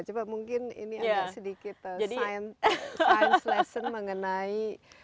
coba mungkin ini agak sedikit science lesson mengenai